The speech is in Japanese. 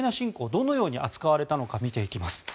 どのように扱われたのか見ていきます。